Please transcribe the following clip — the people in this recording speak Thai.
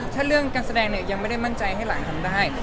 ถ้าเรื่องการแสดงเนี่ยยังไม่ได้มั่นใจให้หลานทำได้